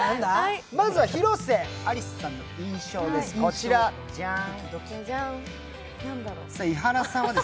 まずは広瀬アリスさんの印象です、こちら、ジャン。